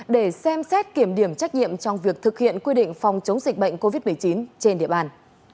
để xem xét kiểm điểm trách nhiệm trong việc thực hiện quy định phòng chống dịch bệnh covid một mươi chín trên địa bàn